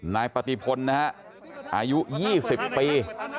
นายปฏิพลนะฮะอายุ๒๐ปี